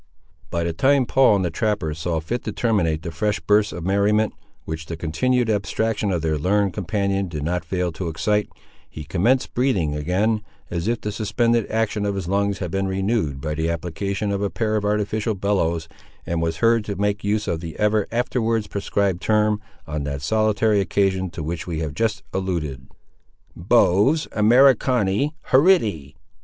By the time Paul and the trapper saw fit to terminate the fresh bursts of merriment, which the continued abstraction of their learned companion did not fail to excite, he commenced breathing again, as if the suspended action of his lungs had been renewed by the application of a pair of artificial bellows, and was heard to make use of the ever afterwards proscribed term, on that solitary occasion, to which we have just alluded. "Boves Americani horridi!"